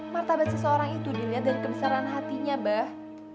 martabat seseorang itu dilihat dari kebesaran hatinya mbah